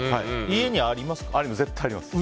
家にありますか？